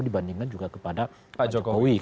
dibandingkan juga kepada pak jokowi